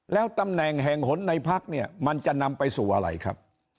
แล้วตำแหน่งแห่งหนในพักเนี่ยมันจะนำไปสู่อะไรครับ